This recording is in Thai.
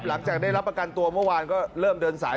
หลังจากได้รับประกันตัวเมื่อวานก็เริ่มเดินสาย